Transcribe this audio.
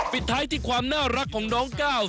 ปิดท้ายที่ความน่ารักของน้องก้าว